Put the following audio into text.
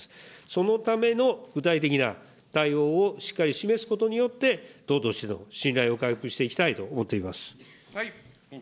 そのための具体的な対応をしっかり示すことによって、党としての信頼を回復していきたいと思っています。